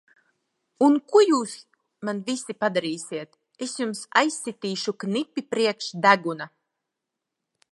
Un ko jūs man visi padarīsit! Es jums aizsitīšu knipi priekš deguna!